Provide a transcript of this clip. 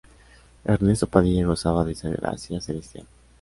Ernesto Padilla gozaba de esa gracia celestial".